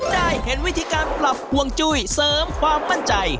ได้เห็นวิธีการปรับฮวงจุ้ยเสริมความมั่นใจ